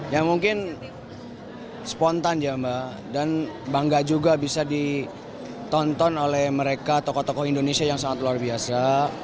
ya mungkin spontan ya mbak dan bangga juga bisa ditonton oleh mereka tokoh tokoh indonesia yang sangat luar biasa